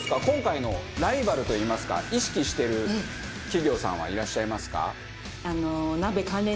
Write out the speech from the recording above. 今回のライバルといいますか意識してる企業さんはいらっしゃいますか？